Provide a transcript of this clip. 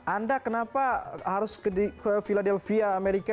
anda kenapa harus ke philadelphia amerika